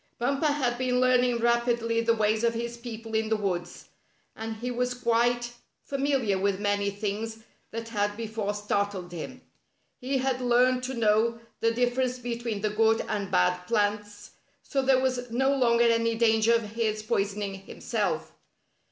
Bumper had been learning rapidly the ways of his people in the woods, and he was quite familiar with many things that had before startled him. He had learned to know the dif ference between the good and bad plants, so there was no longer any danger of his poisoning himself.